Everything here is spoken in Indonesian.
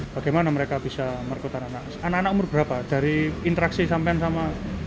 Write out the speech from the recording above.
bagaimana mereka bisa merekrutan anak anak umur berapa dari interaksi sampean sama